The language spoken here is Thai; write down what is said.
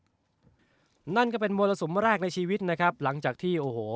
นั่นก็เป็นมรสุมแรกในชีวิตนะครับหลังจากที่โอ้โห